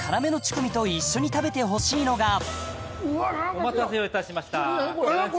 お待たせをいたしました。